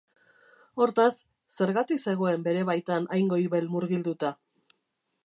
Hortaz, zergatik zegoen bere baitan hain goibel murgilduta?